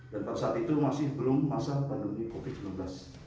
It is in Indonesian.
pada saat itu masih belum masa pandemi covid sembilan belas